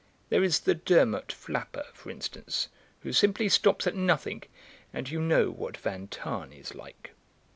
There is the Durmot flapper, for instance, who simply stops at nothing, and you know what Van Tahn is like.